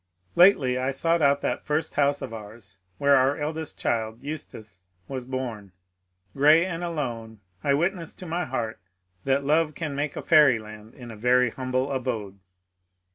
Lately I sought out that first hoiise of ours, where our eldest child, Eustace, was bom ; grey and alone I witnessed to my heart that Love can make a fairyland in a very humble abode.